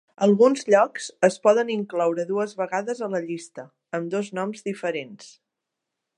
Alguns llocs es poden incloure dues vegades a la llista, amb dos noms diferents.